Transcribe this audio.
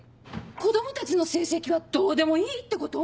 子供たちの成績はどうでもいいってこと？